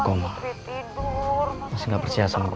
gua udah sama cara mau kartu